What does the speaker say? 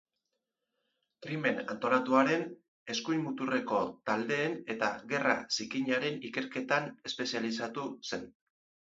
Krimen antolatuaren, eskuin muturreko taldeen eta gerra zikinaren ikerketan espezializatu zen.